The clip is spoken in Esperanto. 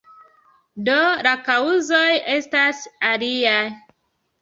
Do, la kaŭzoj estas aliaj.